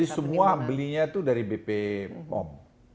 semua belinya itu dari bp pom